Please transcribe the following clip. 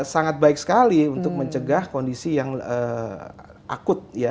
sangat baik sekali untuk mencegah kondisi yang akut ya